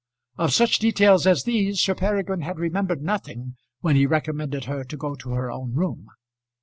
Of such details as these Sir Peregrine had remembered nothing when he recommended her to go to her own room.